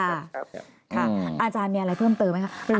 อาจารย์มีอะไรเพิ่มเติมไหมคะ